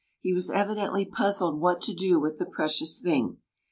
he was evidently puzzled what to do with the precious thing.